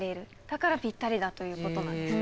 だからぴったりだということなんです。